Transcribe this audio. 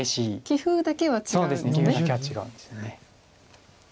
棋風だけは違うんですよね。